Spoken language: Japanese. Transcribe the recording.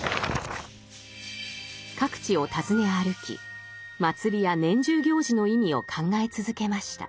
各地を訪ね歩き祭りや年中行事の意味を考え続けました。